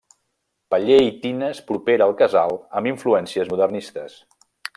Paller i tines propera al casal, amb influències modernistes.